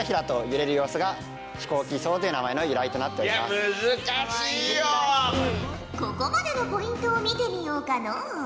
あやっぱ正解はここまでのポイントを見てみようかのう。